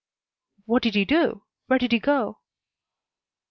"What did he do? Where did he go?"